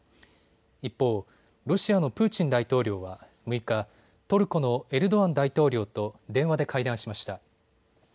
一方、ロシアのプーチン大統領は６日、トルコのエルドアン大統領と電話で会談しました。